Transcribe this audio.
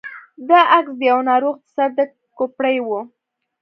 دا عکس د يوه ناروغ د سر د کوپړۍ و.